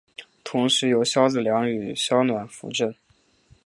同时由萧子良与萧鸾辅政。